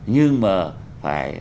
nhưng mà phải